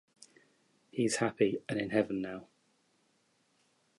He is happy, and in heaven now.